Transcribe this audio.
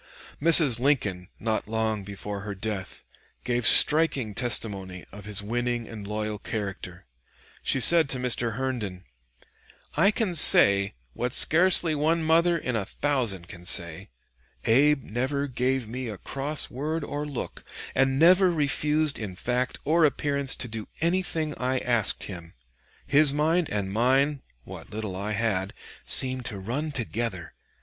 Mrs. Lincoln, not long before her death, gave striking testimony of his winning and loyal character. She said to Mr. Herndon: "I can say, what scarcely one mother in a thousand can say, Abe never gave me a cross word or look, and never refused in fact or appearance to do anything I asked him. His mind and mine what little I had seemed to run together....